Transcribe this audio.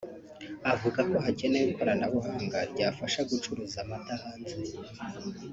avuga ko hakenewe ikoranabuhanga ryafasha gucuruza amata hanze